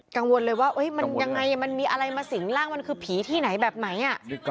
กังวลเลยว่ามันยังไงมันมีอะไรมาสิงร่างมันคือผีที่ไหนแบบไหน